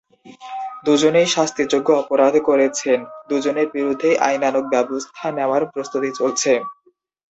দুজনেই শাস্তিযোগ্য অপরাধ করেছেন, দুজনের বিরুদ্ধেই আইনানুগ ব্যবস্থা নেওয়ার প্রস্তুতি চলছে।